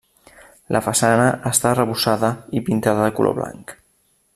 La façana està arrebossada i pintada de color blanc.